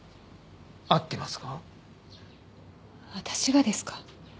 私がですか？